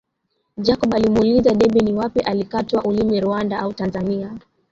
Jacob alimuuliza Debby ni wapi alikatwa ulimi Rwanda au Tanzania